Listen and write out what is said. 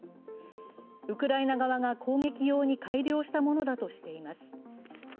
ウクライナ側が攻撃用に改良したものだとしています。